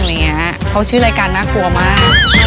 เขาชื่อรายการน่ากลัวมาก